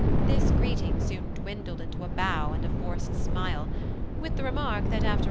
This greeting soon dwindled into a bow and a forced smile, with the remark that after